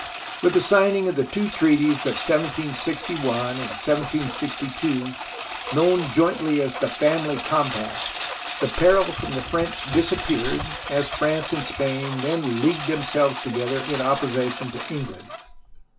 With the signing of the two treaties of 1761 1762 known jointly as the Family Compact the peril from the French disappeared, as France and Spain then leagued themselves together in opposition to England.